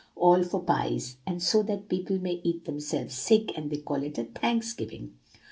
All for pies, and so that people may eat themselves sick; and they call it a Thanksgiving!